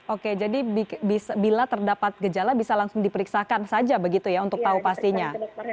oke jadi bila terdapat gejala bisa langsung diperiksakan saja begitu ya untuk tahu pastinya